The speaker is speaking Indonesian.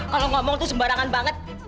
kalau ngomong tuh sembarangan banget